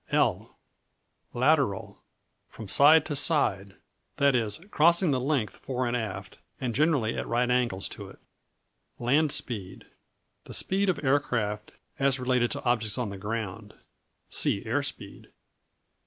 L Lateral From side to side; that is, crossing the length fore and aft, and generally at right angles to it. Land speed The speed of aircraft as related to objects on the ground. See Air speed.